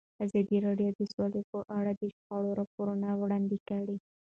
ازادي راډیو د سوله په اړه د شخړو راپورونه وړاندې کړي.